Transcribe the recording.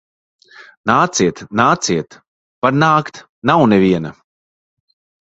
Nāciet, nāciet! Var nākt. Nav neviena.